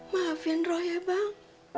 maafin rok ya bang